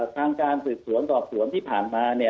ทางการสื่อสวนต่อสวนที่ผ่านมา